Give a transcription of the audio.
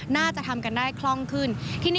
น่าจะทำกันได้คล่องขึ้น